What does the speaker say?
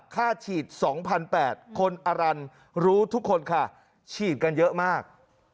ค่าฉีด๒๘๐๐คนอรันรู้ทุกคนค่ะฉีดกันเยอะมาก